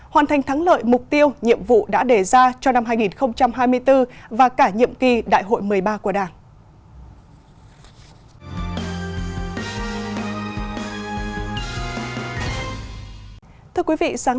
hoàn thành thắng lợi mục tiêu nhiệm vụ đã đề ra cho năm hai nghìn hai mươi bốn và cả nhiệm kỳ đại hội một mươi ba của đảng